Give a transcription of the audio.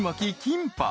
キンパ］